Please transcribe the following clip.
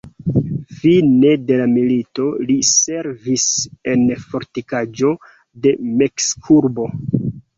Fine de la milito, li servis en fortikaĵo de Meksikurbo.